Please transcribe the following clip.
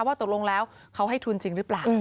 ว่าตกลงแล้วเขาให้ทุนจริงหรือเปล่า